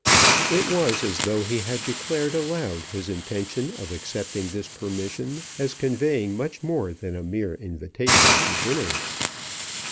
It was as though he had declared aloud his intention of accepting this permission as conveying much more than a mere invitation to dinner.